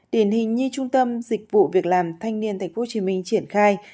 điển hình như trung tâm dịch vụ việc làm thanh niên tp hcm triển khai